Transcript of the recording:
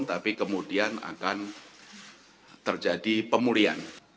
tapi kemudian akan terjadi pemulihan